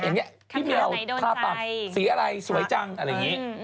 อย่างนี้พี่เมียวทาปากสีอะไรสวยจังอะไรอย่างนี้